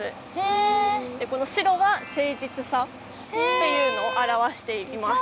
でこの白は誠実さっていうのをあらわしています。